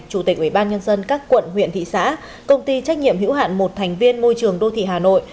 chủ tịch ubnd các quận huyện thị xã công ty trách nhiệm hữu hạn một thành viên môi trường đô thị hà nội